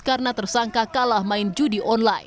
karena tersangka kalah main judi